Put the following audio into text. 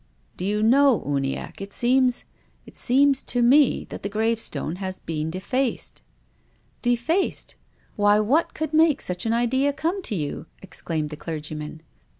" Do you know, Uniacke, it seems — it seems to me that the gravestone has been defaced," " Defaced ! Why, what could make such an idea come to you ?" exclaimed the clergyman.